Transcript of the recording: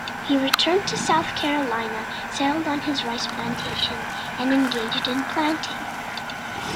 He returned to South Carolina, settled on his rice plantation, and engaged in planting.